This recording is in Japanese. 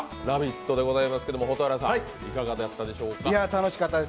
「ラヴィット！」でございますけれども蛍原さんいかがだったでしょうか。